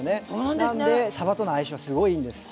なんでさばとの相性はすごいいいんです。